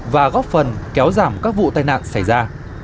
và góp phần kéo giảm các vụ tai nạn xảy ra